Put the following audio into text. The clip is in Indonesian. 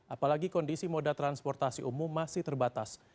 apalagi kondisi moda transportasi umum masih terbatas